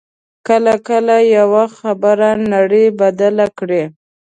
کله کله یوه خبره نړۍ بدله کړي